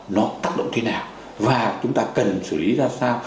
nó tác động thế nào và chúng ta cần xử lý ra sao